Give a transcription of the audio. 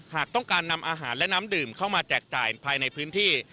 หากต้องการนำอาหารและน้ำดื่มเข้ามาแจกจ่ายภายในพื้นที่